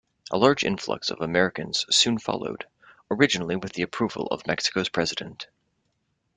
A large influx of Americans soon followed, originally with the approval of Mexico's president.